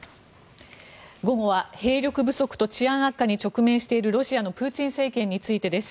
午後は兵力不足と治安悪化に直面しているロシアのプーチン政権についてです。